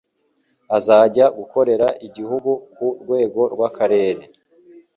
azajya gukorera igihugu ku rwego rw'akarere